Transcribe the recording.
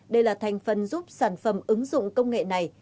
đây là thành phần giúp sản phẩm ứng dụng công nghệ này